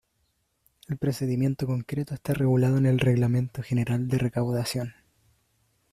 El procedimiento concreto está regulado en el Reglamento General de Recaudación.